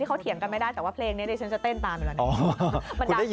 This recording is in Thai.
ที่เขาเถียงกันไม่ได้